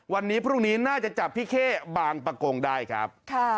วันนี้พรุ่งนี้น่าจะจับพี่เข้บางประกงได้ครับ